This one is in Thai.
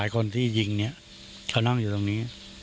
คนที่ยิงเนี่ยเขานั่งอยู่ตรงนี้